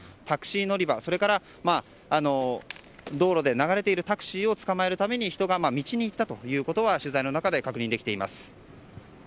タクシー乗り場、それから道路で流れているタクシーを捕まえるために人が道に行ったことが取材の中で確認できています。